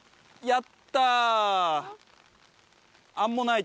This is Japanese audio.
やった！